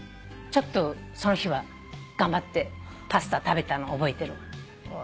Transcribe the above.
ちょっとその日は頑張ってパスタ食べたの覚えてるわ。